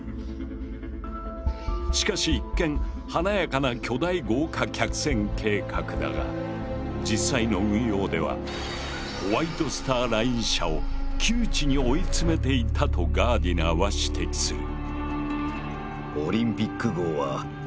しかし一見華やかな巨大豪華客船計画だが実際の運用ではホワイト・スター・ライン社を窮地に追い詰めていたとガーディナーは指摘する。